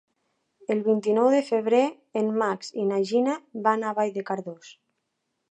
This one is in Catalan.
El vint-i-nou de febrer en Max i na Gina van a Vall de Cardós.